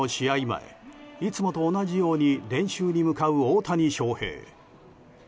前いつもと同じように練習に向かう大谷翔平。